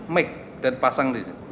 mic dan pasang di sini